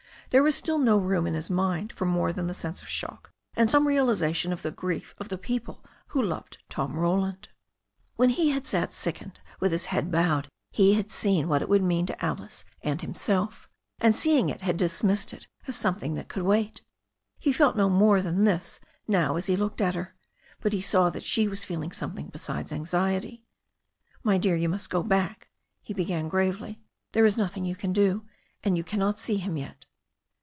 There was still no room in his mind for more than the sense of shock and some realiza tion of the grief of the people who had loved Tom Roland. When he had sat sickened with his head bowed he had seen what it would mean to Alice and himself, and seeing it, had dismissed it as something that could wait. He felt no more than this now as he looked at her. But he saw that she was feeling something besides anxiety. "My dear, you must go back," he began gravely. "There is nothing you can do, and you cannot see him yet."